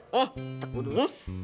nih kita kudung